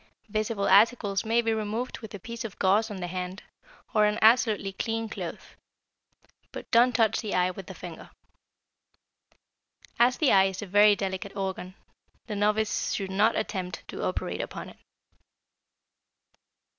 Visible articles may be removed with a piece of gauze on the hand, or an absolutely clean cloth; but don't touch the eye with the finger. As the eye is a very delicate organ, the novice should not attempt to operate upon it.